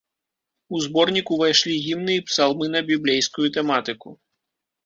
У зборнік увайшлі гімны і псалмы на біблейскую тэматыку.